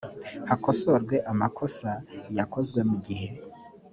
hakosorwe amakosa yakozwe mu gihe